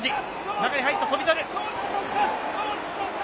中へ入った、翔猿。